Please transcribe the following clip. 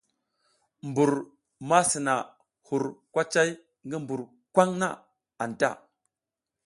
Mbur ma sina hur kwacay ngi mbur kwaŋ na anta.